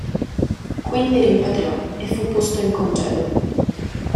Quindi rimpatriò e fu posto in congedo.